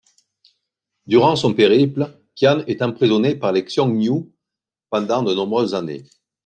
Durant son périple, Qian est emprisonné par les Xiongnu pendant de nombreuses années.